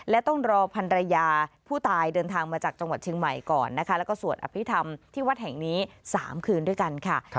แล้วก็สวดอภิษฐมที่วัดแห่งนี้๓คืนด้วยกันค่ะ